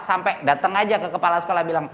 sampai datang aja ke kepala sekolah bilang